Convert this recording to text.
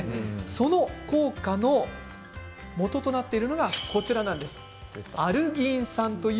その効果のもととなっているのがアルギン酸です。